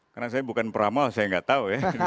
karena saya bukan pramal saya tidak tahu